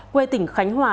quê tỉnh khánh hòa